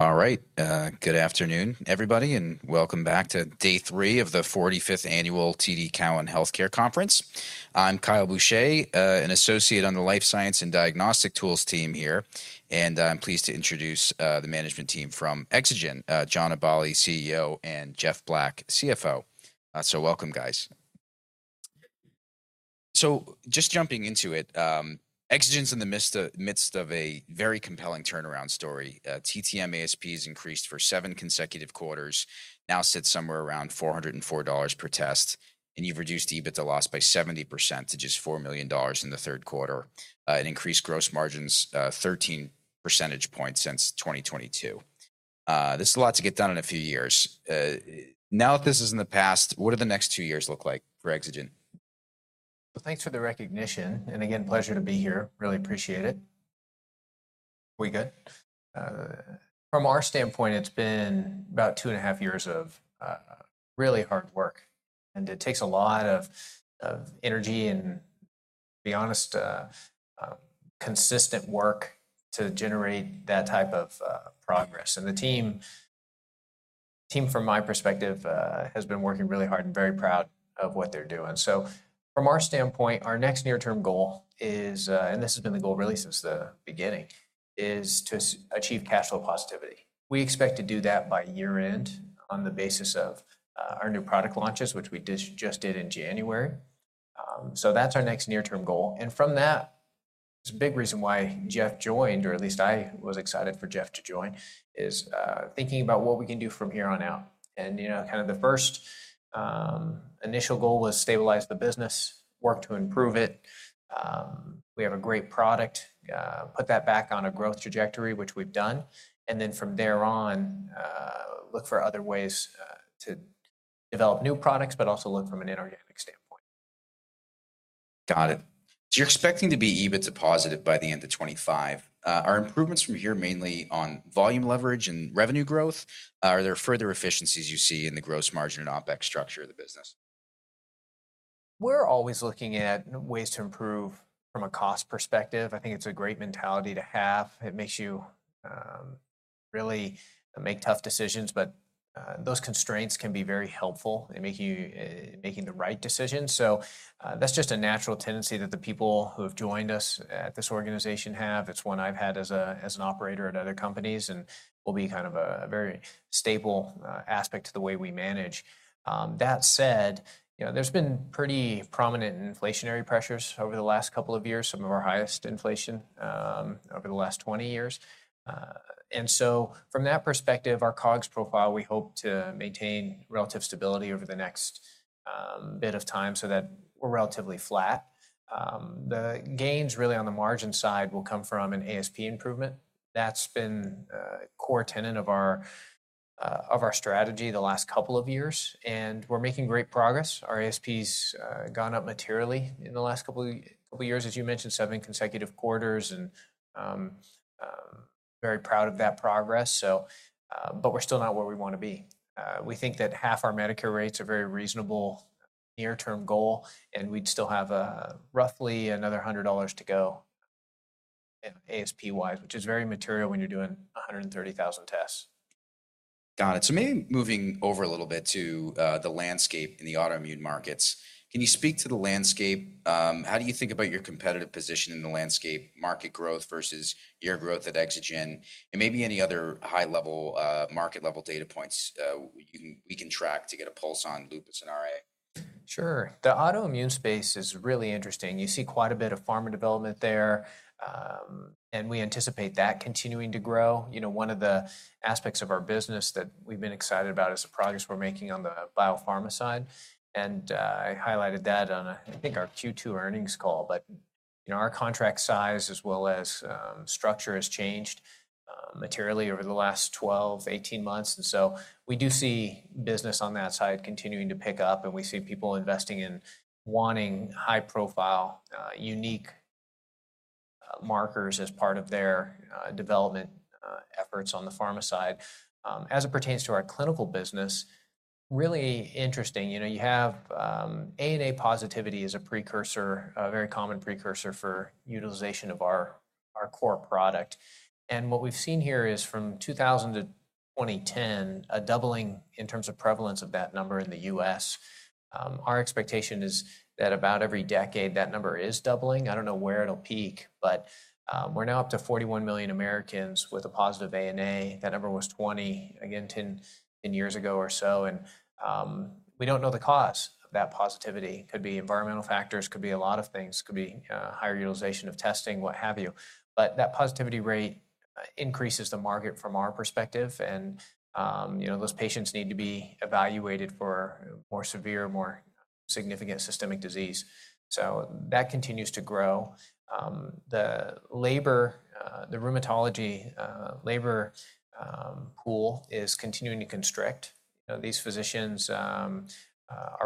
All right, good afternoon, everybody, and welcome back to day three of the 45th Annual TD Cowen Healthcare Conference. I'm Kyle Boucher, an associate on the Life Science and Diagnostic Tools team here, and I'm pleased to introduce the management team from Exagen: John Aballi, CEO, and Jeff Black, CFO. So welcome, guys. So just jumping into it, Exagen's in the midst of a very compelling turnaround story. TTM ASPs increased for seven consecutive quarters, now sit somewhere around $404 per test, and you've reduced EBITDA loss by 70% to just $4 million in the third quarter, and increased gross margins 13 percentage points since 2022. This is a lot to get done in a few years. Now that this is in the past, what do the next two years look like for Exagen? Thanks for the recognition, and again, pleasure to be here. Really appreciate it. We good? From our standpoint, it's been about two and a half years of really hard work, and it takes a lot of energy and, to be honest, consistent work to generate that type of progress. The team, from my perspective, has been working really hard and very proud of what they're doing. From our standpoint, our next near-term goal is, and this has been the goal really since the beginning, to achieve cash flow positivity. We expect to do that by year-end on the basis of our new product launches, which we just did in January. That's our next near-term goal. And from that, there's a big reason why Jeff joined, or at least I was excited for Jeff to join, is thinking about what we can do from here on out. And kind of the first initial goal was to stabilize the business, work to improve it, we have a great product, put that back on a growth trajectory, which we've done, and then from there on, look for other ways to develop new products, but also look from an inorganic standpoint. Got it. So you're expecting to be EBITDA positive by the end of 2025. Are improvements from here mainly on volume leverage and revenue growth? Are there further efficiencies you see in the gross margin and OpEx structure of the business? We're always looking at ways to improve from a cost perspective. I think it's a great mentality to have. It makes you really make tough decisions, but those constraints can be very helpful in making the right decisions. So that's just a natural tendency that the people who have joined us at this organization have. It's one I've had as an operator at other companies, and will be kind of a very stable aspect to the way we manage. That said, there's been pretty prominent inflationary pressures over the last couple of years, some of our highest inflation over the last 20 years. And so from that perspective, our COGS profile, we hope to maintain relative stability over the next bit of time so that we're relatively flat. The gains really on the margin side will come from an ASP improvement. That's been a core tenet of our strategy the last couple of years, and we're making great progress. Our ASPs have gone up materially in the last couple of years, as you mentioned, seven consecutive quarters, and very proud of that progress. But we're still not where we want to be. We think that half our Medicare rates are a very reasonable near-term goal, and we'd still have roughly another $100 to go ASP-wise, which is very material when you're doing 130,000 tests. Got it. So maybe moving over a little bit to the landscape in the autoimmune markets, can you speak to the landscape? How do you think about your competitive position in the landscape, market growth versus your growth at Exagen? And maybe any other high-level market-level data points we can track to get a pulse on lupus and RA? Sure. The auto-immune space is really interesting. You see quite a bit of pharma development there, and we anticipate that continuing to grow. One of the aspects of our business that we've been excited about is the progress we're making on the biopharma side. And I highlighted that on, I think, our Q2 earnings call, but our contract size as well as structure has changed materially over the last 12 to 18 months. And so we do see business on that side continuing to pick up, and we see people investing in wanting high-profile, unique markers as part of their development efforts on the pharma side. As it pertains to our clinical business, really interesting. You have ANA positivity as a precursor, a very common precursor for utilization of our core product. And what we've seen here is from 2000 to 2010, a doubling in terms of prevalence of that number in the U.S. Our expectation is that about every decade that number is doubling. I don't know where it'll peak, but we're now up to 41 million Americans with a positive ANA. That number was 20, again, 10 years ago or so. And we don't know the cause of that positivity. It could be environmental factors, could be a lot of things, could be higher utilization of testing, what have you. But that positivity rate increases the market from our perspective, and those patients need to be evaluated for more severe, more significant systemic disease. So that continues to grow. The labor, the rheumatology labor pool is continuing to constrict. These physicians are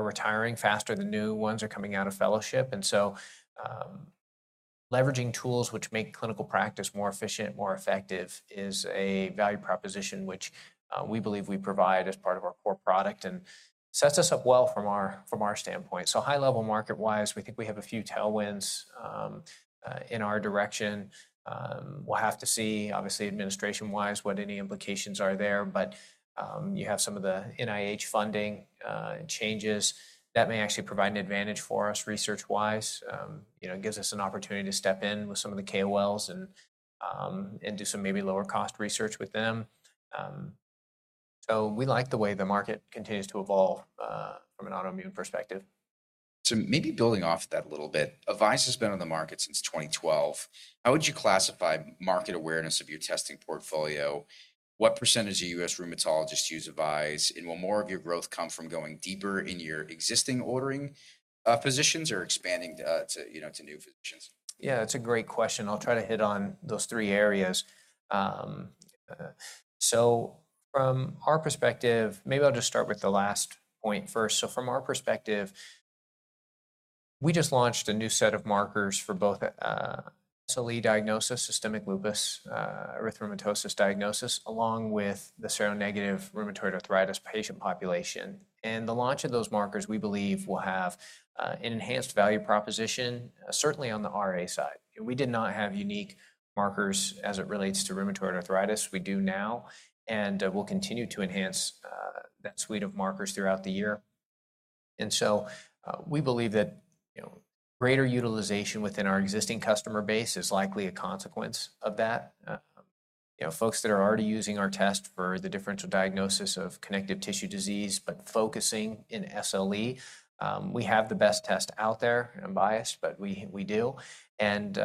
retiring faster than new ones are coming out of fellowship. And so leveraging tools which make clinical practice more efficient, more effective is a value proposition which we believe we provide as part of our core product and sets us up well from our standpoint. So high-level market-wise, we think we have a few tailwinds in our direction. We'll have to see, obviously, administration-wise what any implications are there. But you have some of the NIH funding changes that may actually provide an advantage for us research-wise. It gives us an opportunity to step in with some of the KOLs and do some maybe lower-cost research with them. So we like the way the market continues to evolve from an autoimmune perspective. So maybe building off that a little bit, AVISE has been on the market since 2012. How would you classify market awareness of your testing portfolio? What percentage of U.S. rheumatologists use AVISE? And will more of your growth come from going deeper in your existing ordering positions or expanding to new physicians? Yeah, that's a great question. I'll try to hit on those three areas. So from our perspective, maybe I'll just start with the last point first. So from our perspective, we just launched a new set of markers for both SLE diagnosis, systemic lupus erythematosus diagnosis, along with the seronegative rheumatoid arthritis patient population. And the launch of those markers, we believe, will have an enhanced value proposition, certainly on the RA side. We did not have unique markers as it relates to rheumatoid arthritis. We do now, and we'll continue to enhance that suite of markers throughout the year. And so we believe that greater utilization within our existing customer base is likely a consequence of that. Folks that are already using our test for the differential diagnosis of connective tissue disease, but focusing in SLE, we have the best test out there. I'm biased, but we do. And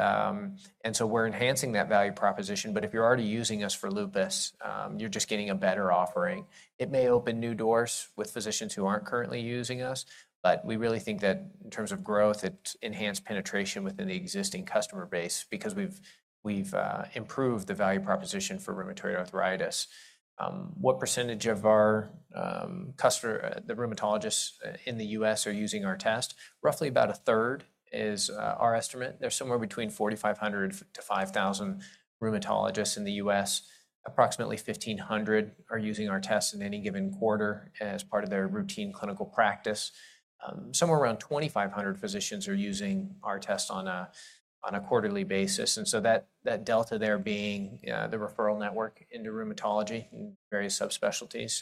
so we're enhancing that value proposition. But if you're already using us for lupus, you're just getting a better offering. It may open new doors with physicians who aren't currently using us, but we really think that in terms of growth, it's enhanced penetration within the existing customer base because we've improved the value proposition for rheumatoid arthritis. What percentage of our customers, the rheumatologists in the U.S., are using our test? Roughly about a third is our estimate. There's somewhere between 4,500 to 5,000 rheumatologists in the U.S. Approximately 1,500 are using our tests in any given quarter as part of their routine clinical practice. Somewhere around 2,500 physicians are using our tests on a quarterly basis. And so that delta there being the referral network into rheumatology in various subspecialties.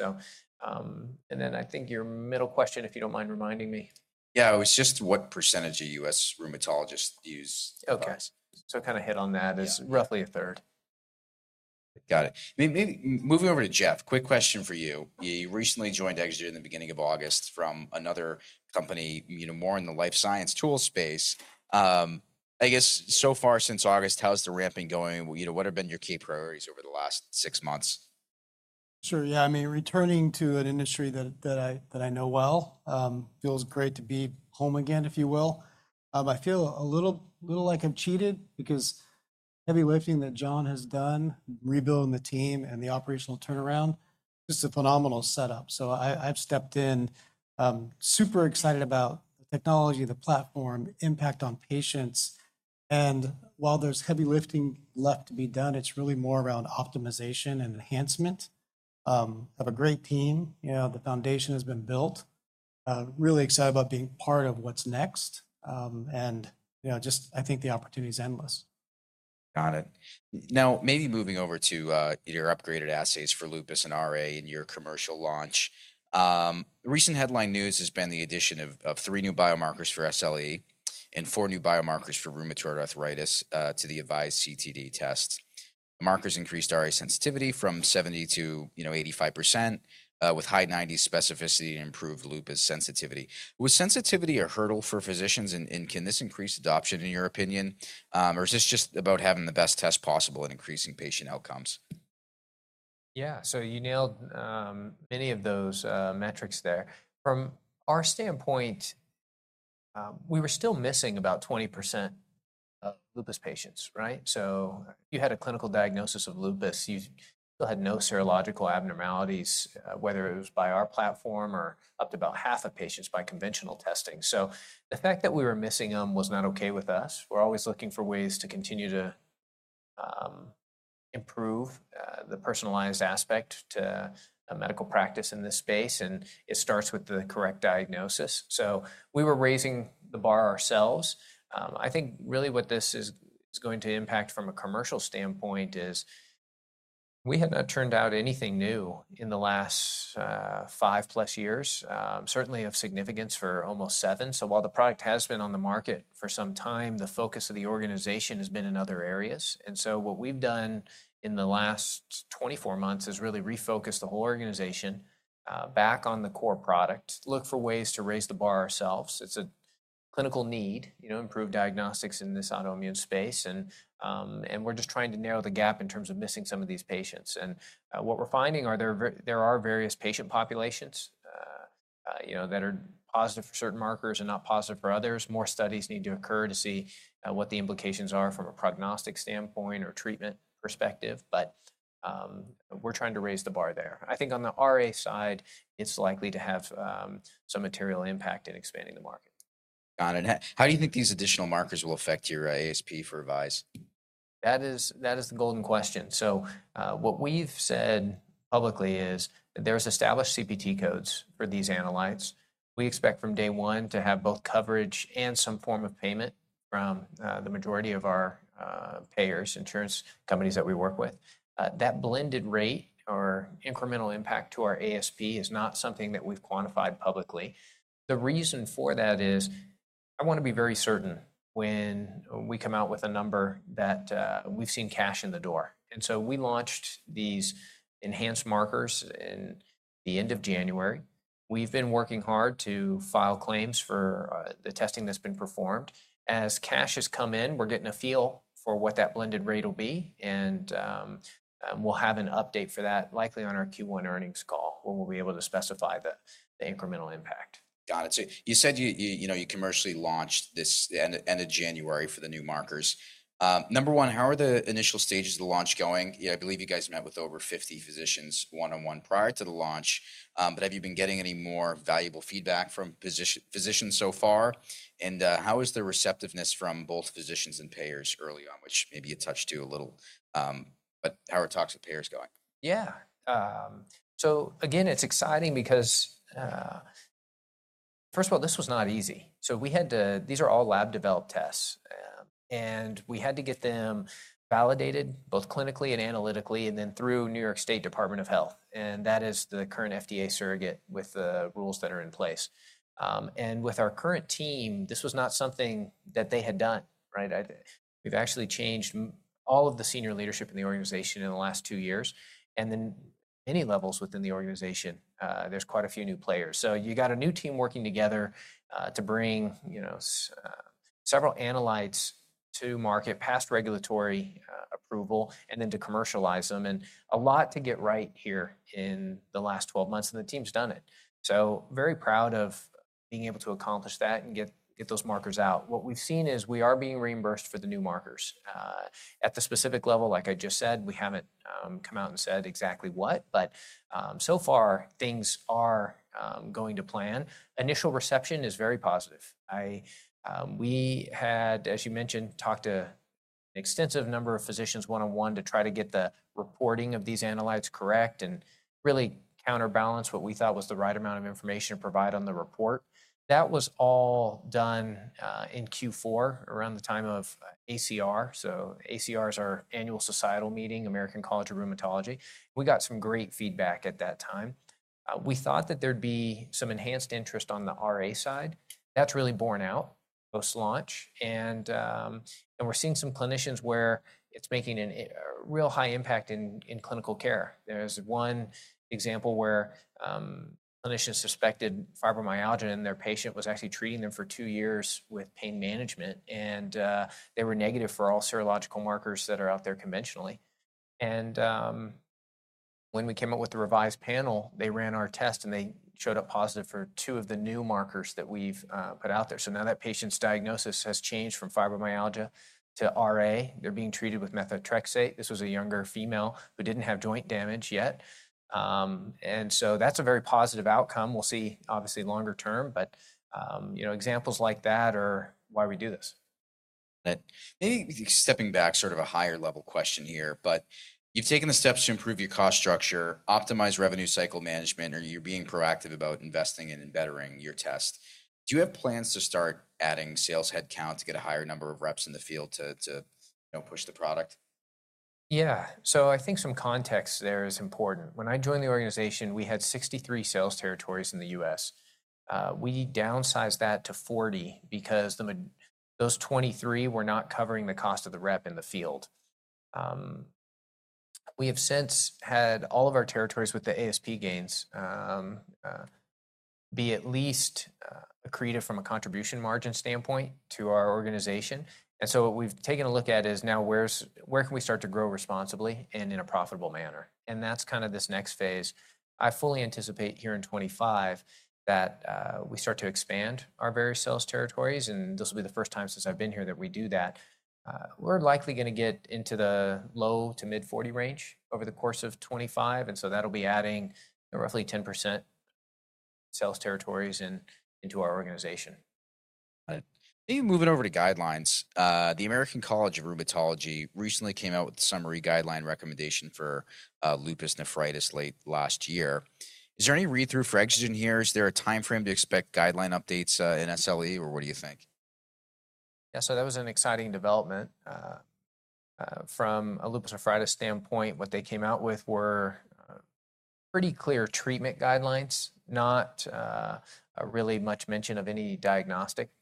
And then I think your middle question, if you don't mind reminding me. Yeah, it was just what percentage of U.S. rheumatologists use AVISE? Okay, so kind of hit on that is roughly a third. Got it. Moving over to Jeff, quick question for you. You recently joined Exagen in the beginning of August from another company, more in the life science tool space. I guess so far since August, how's the ramping going? What have been your key priorities over the last six months? Sure. Yeah, I mean, returning to an industry that I know well feels great to be home again, if you will. I feel a little like I've cheated because heavy lifting that John has done, rebuilding the team and the operational turnaround, it's a phenomenal setup. So I've stepped in super excited about the technology, the platform, impact on patients. And while there's heavy lifting left to be done, it's really more around optimization and enhancement. I have a great team. The foundation has been built. I'm really excited about being part of what's next. And just I think the opportunity is endless. Got it. Now, maybe moving over to your upgraded assays for lupus and RA in your commercial launch. Recent headline news has been the addition of three new biomarkers for SLE and four new biomarkers for rheumatoid arthritis to the AVISE CTD test. The markers increased RA sensitivity from 70% to 85% with high 90% specificity and improved lupus sensitivity. Was sensitivity a hurdle for physicians, and can this increase adoption in your opinion, or is this just about having the best test possible and increasing patient outcomes? Yeah. So you nailed many of those metrics there. From our standpoint, we were still missing about 20% of lupus patients, right? So if you had a clinical diagnosis of lupus, you still had no serological abnormalities, whether it was by our platform or up to about half of patients by conventional testing. So the fact that we were missing them was not okay with us. We're always looking for ways to continue to improve the personalized aspect to medical practice in this space, and it starts with the correct diagnosis. So we were raising the bar ourselves. I think really what this is going to impact from a commercial standpoint is we have not turned out anything new in the last five-plus years, certainly of significance for almost seven. So while the product has been on the market for some time, the focus of the organization has been in other areas. And so what we've done in the last 24 months is really refocus the whole organization back on the core product, look for ways to raise the bar ourselves. It's a clinical need, improved diagnostics in this autoimmune space, and we're just trying to narrow the gap in terms of missing some of these patients. And what we're finding are there are various patient populations that are positive for certain markers and not positive for others. More studies need to occur to see what the implications are from a prognostic standpoint or treatment perspective, but we're trying to raise the bar there. I think on the RA side, it's likely to have some material impact in expanding the market. Got it. How do you think these additional markers will affect your ASP for AVISE? That is the golden question, so what we've said publicly is that there's established CPT codes for these analytes. We expect from day one to have both coverage and some form of payment from the majority of our payers, insurance companies that we work with. That blended rate or incremental impact to our ASP is not something that we've quantified publicly. The reason for that is I want to be very certain when we come out with a number that we've seen cash in the door, and so we launched these enhanced markers in the end of January. We've been working hard to file claims for the testing that's been performed. As cash has come in, we're getting a feel for what that blended rate will be, and we'll have an update for that likely on our Q1 earnings call when we'll be able to specify the incremental impact. Got it. So you said you commercially launched the end of January for the new markers. Number one, how are the initial stages of the launch going? I believe you guys met with over 50 physicians one-on-one prior to the launch, but have you been getting any more valuable feedback from physicians so far? And how is the receptiveness from both physicians and payers early on, which maybe you touched on a little, but how are talks with payers going? Yeah. So again, it's exciting because first of all, this was not easy. So these are all lab-developed tests, and we had to get them validated both clinically and analytically and then through New York State Department of Health. And that is the current FDA surrogate with the rules that are in place. And with our current team, this was not something that they had done, right? We've actually changed all of the senior leadership in the organization in the last two years. And then at many levels within the organization, there's quite a few new players. So you got a new team working together to bring several analytes to market, past regulatory approval, and then to commercialize them. And a lot to get right here in the last 12 months, and the team's done it. So very proud of being able to accomplish that and get those markers out. What we've seen is we are being reimbursed for the new markers. At the specific level, like I just said, we haven't come out and said exactly what, but so far, things are going to plan. Initial reception is very positive. We had, as you mentioned, talked to an extensive number of physicians one-on-one to try to get the reporting of these analytes correct and really counterbalance what we thought was the right amount of information to provide on the report. That was all done in Q4 around the time of ACR, so ACR is our annual societal meeting, American College of Rheumatology. We got some great feedback at that time. We thought that there'd be some enhanced interest on the RA side. That's really borne out post-launch, and we're seeing some clinicians where it's making a real high impact in clinical care. There's one example where a clinician suspected fibromyalgia, and their patient was actually treating them for two years with pain management, and they were negative for all serological markers that are out there conventionally. And when we came up with the revised panel, they ran our test, and they showed up positive for two of the new markers that we've put out there. So now that patient's diagnosis has changed from fibromyalgia to RA, they're being treated with methotrexate. This was a younger female who didn't have joint damage yet. And so that's a very positive outcome. We'll see, obviously, longer term, but examples like that are why we do this. Maybe stepping back, sort of a higher-level question here, but you've taken the steps to improve your cost structure, optimize revenue cycle management, or you're being proactive about investing and bettering your test. Do you have plans to start adding sales headcount to get a higher number of reps in the field to push the product? Yeah. So I think some context there is important. When I joined the organization, we had 63 sales territories in the U.S. We downsized that to 40 because those 23 were not covering the cost of the rep in the field. We have since had all of our territories with the ASP gains be at least accretive from a contribution margin standpoint to our organization. And so what we've taken a look at is now where can we start to grow responsibly and in a profitable manner. And that's kind of this next phase. I fully anticipate here in 2025 that we start to expand our various sales territories, and this will be the first time since I've been here that we do that. We're likely going to get into the low to mid-40 range over the course of 2025. That'll be adding roughly 10% sales territories into our organization. Maybe moving over to guidelines. The American College of Rheumatology recently came out with a summary guideline recommendation for lupus nephritis late last year. Is there any read-through for Exagen here? Is there a timeframe to expect guideline updates in SLE, or what do you think? Yeah. So that was an exciting development. From a lupus nephritis standpoint, what they came out with were pretty clear treatment guidelines, not really much mention of any diagnostic aspect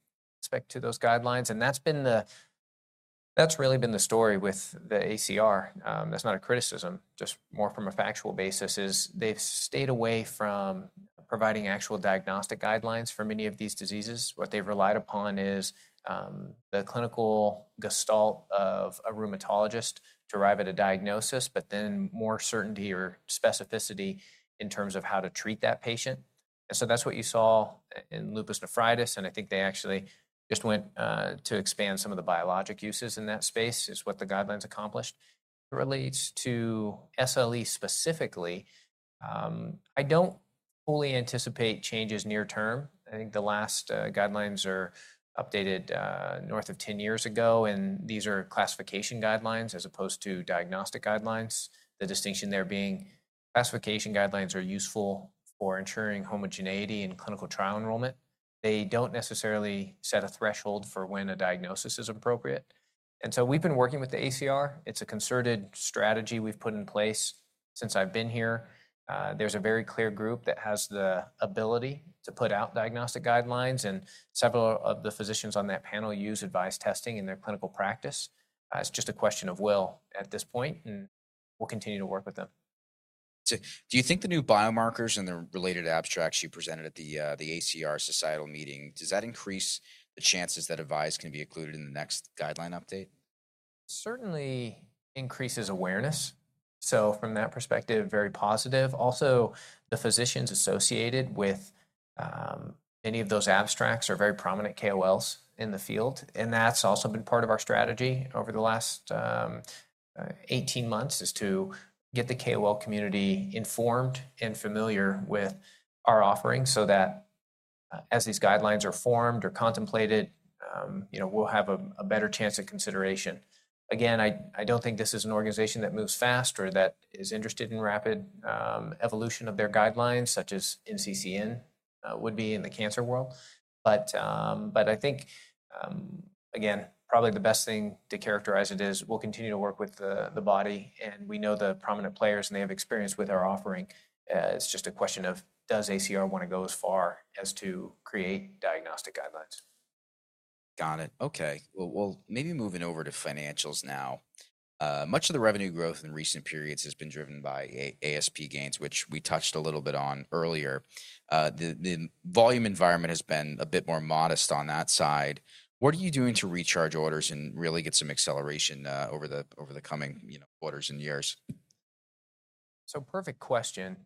to those guidelines. And that's really been the story with the ACR. That's not a criticism, just more from a factual basis is they've stayed away from providing actual diagnostic guidelines for many of these diseases. What they've relied upon is the clinical gestalt of a rheumatologist to arrive at a diagnosis, but then more certainty or specificity in terms of how to treat that patient. And so that's what you saw in lupus nephritis. And I think they actually just went to expand some of the biologic uses in that space is what the guidelines accomplished. It relates to SLE specifically. I don't fully anticipate changes near term. I think the last guidelines are updated north of 10 years ago, and these are classification guidelines as opposed to diagnostic guidelines. The distinction there being classification guidelines are useful for ensuring homogeneity in clinical trial enrollment. They don't necessarily set a threshold for when a diagnosis is appropriate, and so we've been working with the ACR. It's a concerted strategy we've put in place since I've been here. There's a very clear group that has the ability to put out diagnostic guidelines, and several of the physicians on that panel use AVISE testing in their clinical practice. It's just a question of will at this point, and we'll continue to work with them. Do you think the new biomarkers and the related abstracts you presented at the ACR societal meeting, does that increase the chances that AVISE can be included in the next guideline update? Certainly increases awareness, so from that perspective, very positive. Also, the physicians associated with many of those abstracts are very prominent KOLs in the field, and that's also been part of our strategy over the last 18 months is to get the KOL community informed and familiar with our offering so that as these guidelines are formed or contemplated, we'll have a better chance of consideration. Again, I don't think this is an organization that moves fast or that is interested in rapid evolution of their guidelines, such as NCCN would be in the cancer world, but I think, again, probably the best thing to characterize it is we'll continue to work with the body, and we know the prominent players and they have experience with our offering. It's just a question of does ACR want to go as far as to create diagnostic guidelines. Got it. Okay. Well, maybe moving over to financials now. Much of the revenue growth in recent periods has been driven by ASP gains, which we touched a little bit on earlier. The volume environment has been a bit more modest on that side. What are you doing to recharge orders and really get some acceleration over the coming quarters and years? So, perfect question.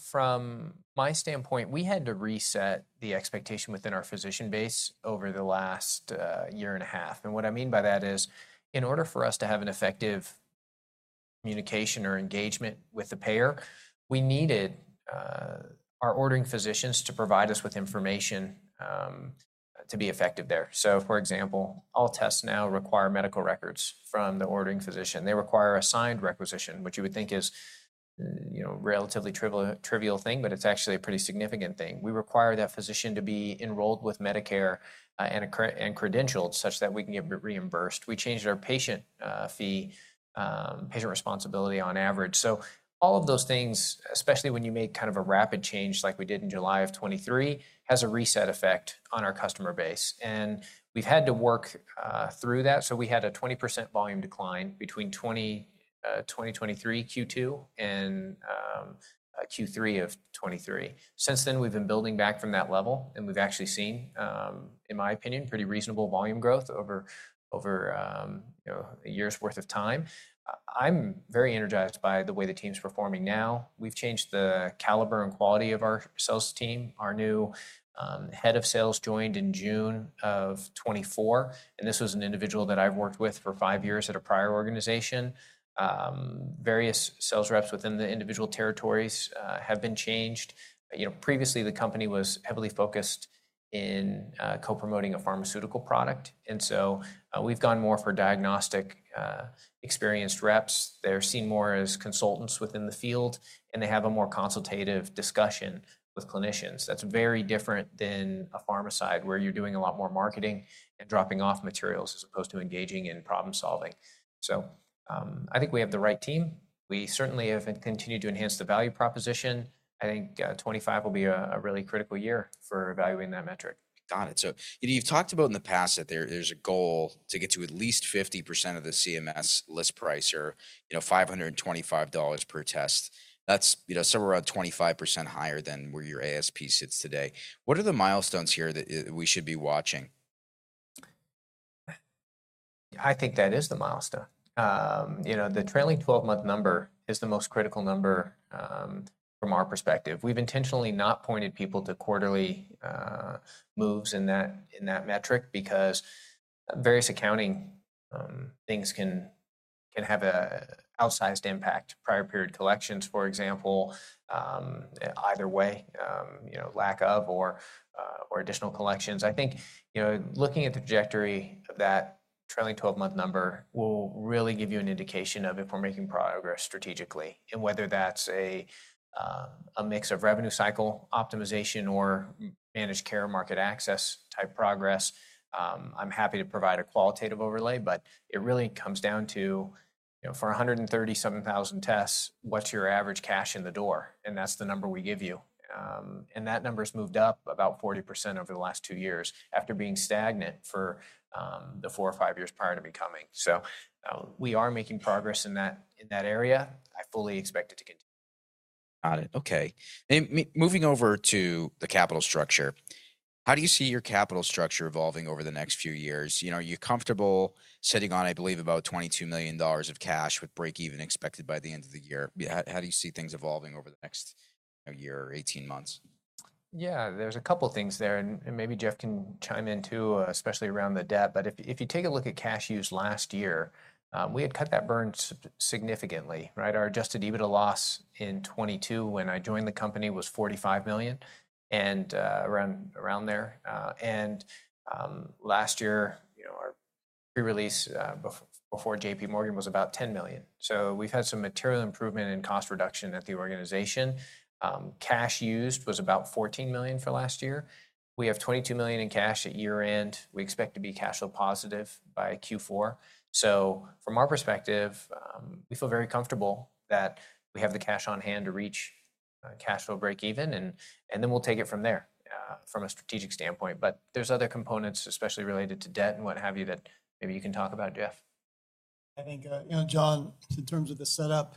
From my standpoint, we had to reset the expectation within our physician base over the last year and a half. And what I mean by that is in order for us to have an effective communication or engagement with the payer, we needed our ordering physicians to provide us with information to be effective there. So for example, all tests now require medical records from the ordering physician. They require a signed requisition, which you would think is a relatively trivial thing, but it's actually a pretty significant thing. We require that physician to be enrolled with Medicare and credentialed such that we can get reimbursed. We changed our patient fee patient responsibility on average. So all of those things, especially when you make kind of a rapid change like we did in July of 2023, has a reset effect on our customer base. We've had to work through that. We had a 20% volume decline between 2023 Q2 and Q3 of 2023. Since then, we've been building back from that level, and we've actually seen, in my opinion, pretty reasonable volume growth over a year's worth of time. I'm very energized by the way the team's performing now. We've changed the caliber and quality of our sales team. Our new head of sales joined in June of 2024, and this was an individual that I've worked with for five years at a prior organization. Various sales reps within the individual territories have been changed. Previously, the company was heavily focused in co-promoting a pharmaceutical product. We've gone more for diagnostic experienced reps. They're seen more as consultants within the field, and they have a more consultative discussion with clinicians. That's very different than a pharma side where you're doing a lot more marketing and dropping off materials as opposed to engaging in problem-solving. So I think we have the right team. We certainly have continued to enhance the value proposition. I think 2025 will be a really critical year for evaluating that metric. Got it. So you've talked about in the past that there's a goal to get to at least 50% of the CMS list price or $525 per test. That's somewhere around 25% higher than where your ASP sits today. What are the milestones here that we should be watching? I think that is the milestone. The trailing 12-month number is the most critical number from our perspective. We've intentionally not pointed people to quarterly moves in that metric because various accounting things can have an outsized impact. Prior period collections, for example, either way, lack of or additional collections. I think looking at the trajectory of that trailing 12-month number will really give you an indication of if we're making progress strategically and whether that's a mix of revenue cycle optimization or managed care market access type progress. I'm happy to provide a qualitative overlay, but it really comes down to for 130-something thousand tests, what's your average cash in the door? And that's the number we give you. And that number's moved up about 40% over the last two years after being stagnant for the four or five years prior to me coming. So we are making progress in that area. I fully expect it to continue. Got it. Okay. Moving over to the capital structure. How do you see your capital structure evolving over the next few years? Are you comfortable sitting on, I believe, about $22 million of cash with break-even expected by the end of the year? How do you see things evolving over the next year or 18 months? Yeah, there's a couple of things there, and maybe Jeff can chime in too, especially around the debt. But if you take a look at cash used last year, we had cut that burn significantly, right? Our Adjusted EBITDA loss in 2022 when I joined the company was $45 million and around there. And last year, our pre-release before JPMorgan was about $10 million. So we've had some material improvement in cost reduction at the organization. Cash used was about $14 million for last year. We have $22 million in cash at year-end. We expect to be cash flow positive by Q4. So from our perspective, we feel very comfortable that we have the cash on hand to reach cash flow break-even, and then we'll take it from there from a strategic standpoint. But there's other components, especially related to debt and what have you, that maybe you can talk about, Jeff. I think, John, in terms of the setup,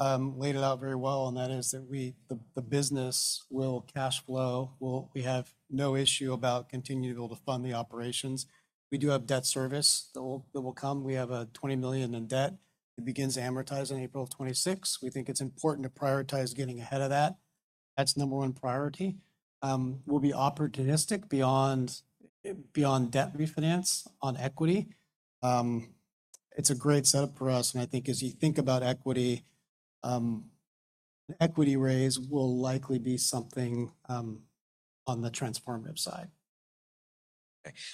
laid it out very well, and that is that the business will cash flow. We have no issue about continuing to be able to fund the operations. We do have debt service that will come. We have $20 million in debt. It begins amortized on April 26. We think it's important to prioritize getting ahead of that. That's number one priority. We'll be opportunistic beyond debt refinance on equity. It's a great setup for us. And I think as you think about equity, an equity raise will likely be something on the transformative side.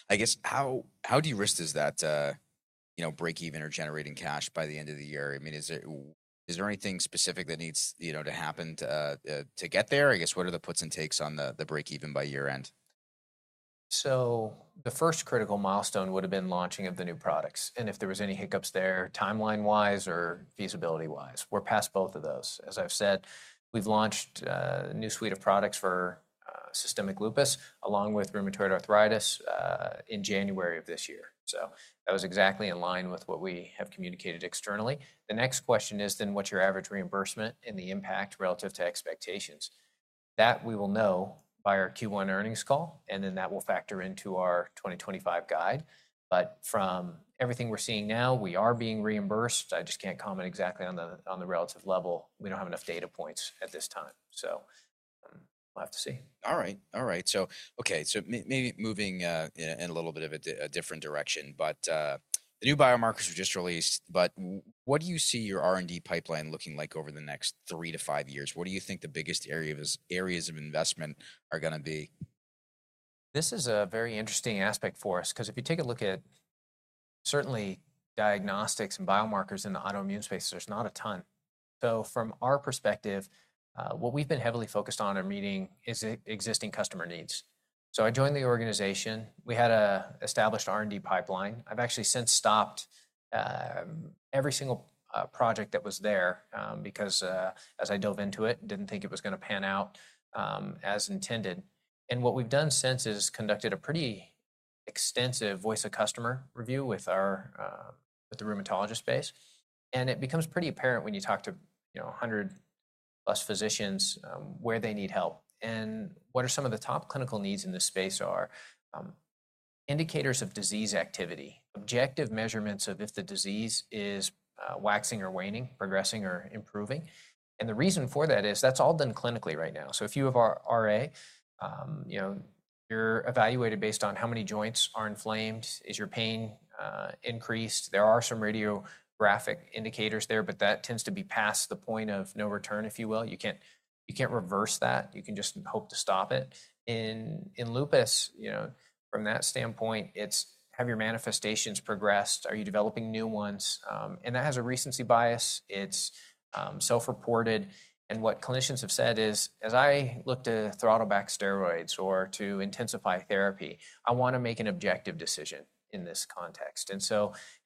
I guess how de-risked is that break-even or generating cash by the end of the year? I mean, is there anything specific that needs to happen to get there? I guess what are the puts and takes on the break-even by year-end? The first critical milestone would have been launching of the new products. And if there was any hiccups there, timeline-wise or feasibility-wise, we're past both of those. As I've said, we've launched a new suite of products for systemic lupus along with rheumatoid arthritis in January of this year. That was exactly in line with what we have communicated externally. The next question is then what's your average reimbursement and the impact relative to expectations? That we will know by our Q1 earnings call, and then that will factor into our 2025 guide. But from everything we're seeing now, we are being reimbursed. I just can't comment exactly on the relative level. We don't have enough data points at this time. So we'll have to see. All right. All right. So okay, so maybe moving in a little bit of a different direction, but the new biomarkers were just released, but what do you see your R&D pipeline looking like over the next three to five years? What do you think the biggest areas of investment are going to be? This is a very interesting aspect for us because if you take a look at certainly diagnostics and biomarkers in the autoimmune space, there's not a ton. So from our perspective, what we've been heavily focused on and meeting is existing customer needs. So I joined the organization. We had an established R&D pipeline. I've actually since stopped every single project that was there because as I dove into it, didn't think it was going to pan out as intended. And what we've done since is conducted a pretty extensive voice of customer review with the rheumatologist base. And it becomes pretty apparent when you talk to 100+ physicians where they need help and what are some of the top clinical needs in this space are indicators of disease activity, objective measurements of if the disease is waxing or waning, progressing or improving. The reason for that is that's all done clinically right now. If you have RA, you're evaluated based on how many joints are inflamed; is your pain increased? There are some radiographic indicators there, but that tends to be past the point of no return, if you will. You can't reverse that. You can just hope to stop it. In lupus, from that standpoint, it's have your manifestations progressed. Are you developing new ones? That has a recency bias. It's self-reported. What clinicians have said is, as I look to throttle back steroids or to intensify therapy, I want to make an objective decision in this context.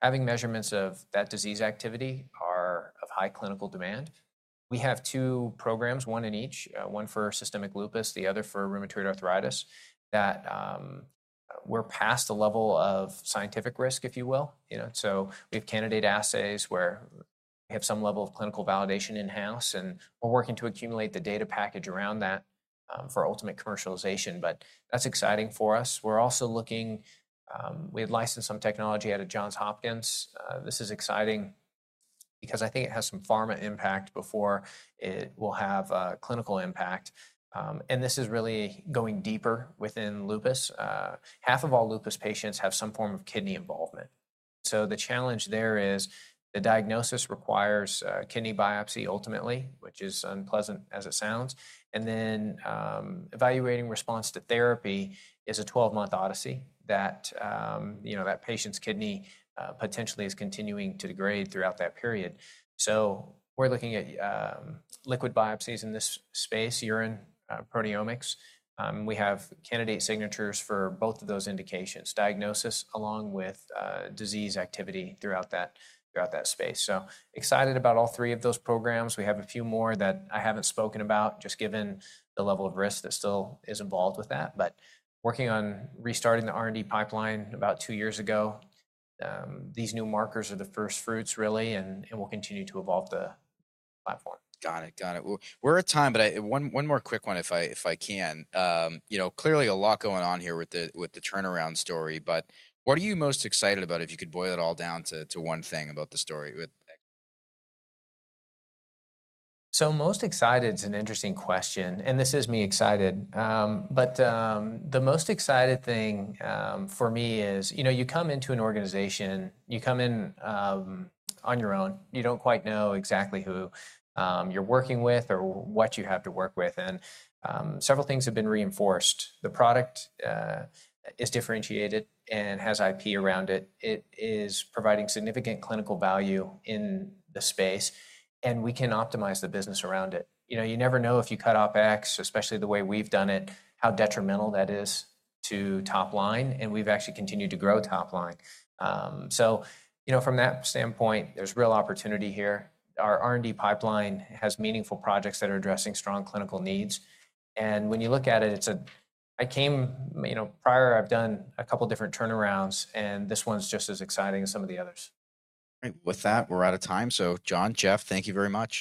Having measurements of that disease activity are of high clinical demand. We have two programs, one in each, one for systemic lupus, the other for rheumatoid arthritis, that we're past the level of scientific risk, if you will. So we have candidate assays where we have some level of clinical validation in-house, and we're working to accumulate the data package around that for ultimate commercialization. But that's exciting for us. We're also looking. We had licensed some technology out of Johns Hopkins. This is exciting because I think it has some pharma impact before it will have clinical impact. And this is really going deeper within lupus. Half of all lupus patients have some form of kidney involvement. So the challenge there is the diagnosis requires kidney biopsy ultimately, which is unpleasant as it sounds. And then evaluating response to therapy is a 12-month odyssey that that patient's kidney potentially is continuing to degrade throughout that period. So, we're looking at liquid biopsies in this space, urine proteomics. We have candidate signatures for both of those indications, diagnosis along with disease activity throughout that space. So excited about all three of those programs. We have a few more that I haven't spoken about just given the level of risk that still is involved with that, but working on restarting the R&D pipeline about two years ago. These new markers are the first fruits, really, and we'll continue to evolve the platform. Got it. Got it. We're at time, but one more quick one, if I can. Clearly, a lot going on here with the turnaround story, but what are you most excited about if you could boil it all down to one thing about the story? So, most excited is an interesting question, and this is me excited. But the most excited thing for me is you come into an organization, you come in on your own, you don't quite know exactly who you're working with or what you have to work with. And several things have been reinforced. The product is differentiated and has IP around it. It is providing significant clinical value in the space, and we can optimize the business around it. You never know if you cut off X, especially the way we've done it, how detrimental that is to top line, and we've actually continued to grow top line. So from that standpoint, there's real opportunity here. Our R&D pipeline has meaningful projects that are addressing strong clinical needs. When you look at it, it's a prior I've done a couple of different turnarounds, and this one's just as exciting as some of the others. With that, we're out of time. So John, Jeff, thank you very much.